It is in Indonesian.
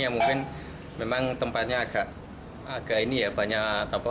yang mungkin memang tempatnya agak ini ya